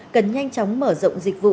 cần nhanh chóng mở rộng dịch vụ